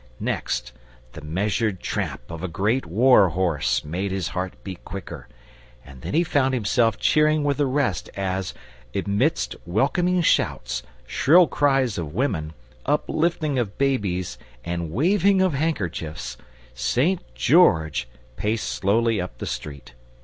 Next, the measured tramp of a great war horse made his heart beat quicker, and then he found himself cheering with the rest, as, amidst welcoming shouts, shrill cries of women, uplifting of babies and waving of handkerchiefs, St. George paced slowly up the street.